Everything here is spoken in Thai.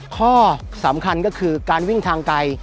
ข้อสำคัญก็คือการวิ่งทางไกล